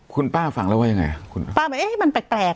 คุณป้าฟังแล้วว่ายังไงอ่ะคุณป้าว่าเอ้ยมันแปลกแปลก